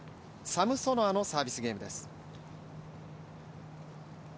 サムソノワのサービスゲームです。